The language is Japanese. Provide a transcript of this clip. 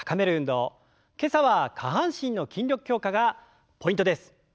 今朝は下半身の筋力強化がポイントです。